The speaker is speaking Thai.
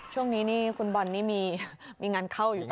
ช่วงนี้นี่คุณบอลนี่มีงานเข้าอยู่นะ